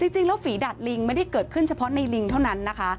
จริงแล้วฝีดาดลิงไม่ได้เกิดขึ้นเฉพาะในลิงเท่านั้นนะคะ